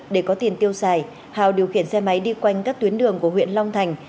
để có tiền tiêu xài hảo điều khiển xe máy đi quanh các tuyến đường của huyện long thành